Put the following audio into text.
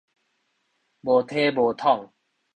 無體無統